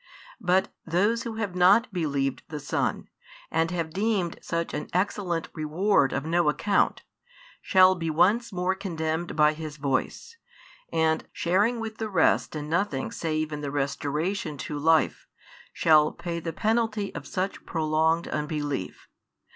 But those who have not believed the Son, and have deemed such an excellent reward of no account, shall be once more condemned by His voice, and, sharing with the rest in nothing save in the restoration to life, shall pay the penalty of such prolonged unbelief.